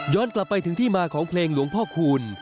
กลับไปถึงที่มาของเพลงหลวงพ่อคูณ